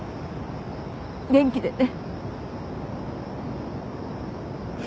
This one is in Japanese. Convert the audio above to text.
元気でね。